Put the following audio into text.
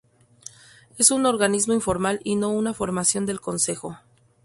Es un organismo informal y no una formación del Consejo.